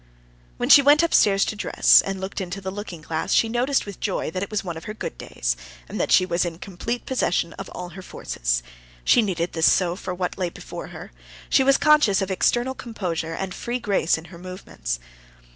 When she went upstairs to dress, and looked into the looking glass, she noticed with joy that it was one of her good days, and that she was in complete possession of all her forces,—she needed this so for what lay before her: she was conscious of external composure and free grace in her movements.